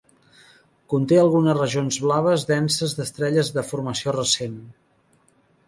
Conté algunes regions blaves denses d'estrelles de formació recent.